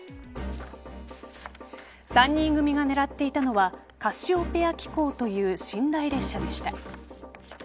３人組が狙っていたのはカシオペア紀行という寝台列車でした。